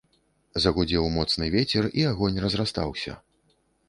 Загудзеў моцны вецер, і агонь разрастаўся.